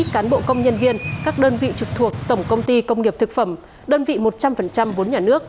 cán bộ công nhân viên các đơn vị trực thuộc tổng công ty công nghiệp thực phẩm đơn vị một trăm linh vốn nhà nước